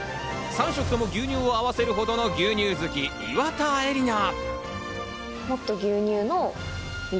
３食とも牛乳を合わせるほどの牛乳好き、岩田絵里奈。